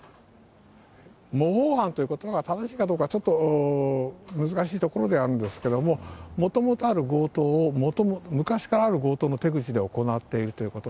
模倣犯ということが正しいかどうか、ちょっと難しいところではあるんですけども、もともとある強盗を、昔からある強盗の手口で行っているということ。